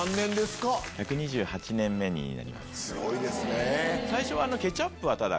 すごいですね。